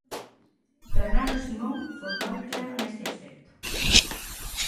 Fernando Simón foi moi claro neste aspecto.